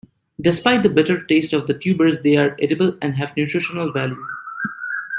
Despite the bitter taste of the tubers, they are edible and have nutritional value.